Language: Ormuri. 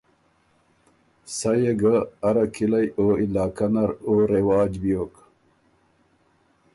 سَۀ يې ګه اره کِلئ او علاقۀ نر او رواج بیوک۔